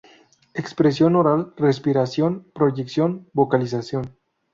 Expresión oral: respiración, proyección, vocalización...